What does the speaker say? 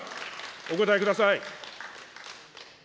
お答えください。